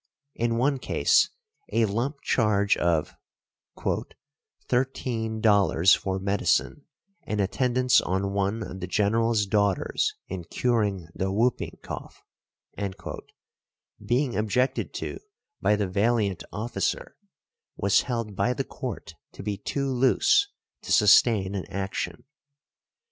In one case a lump charge of "$13 for medicine and attendance on one of the general's daughters |23| in curing the whooping cough," being objected to by the valiant officer, was held by the Court to be too loose to sustain an action .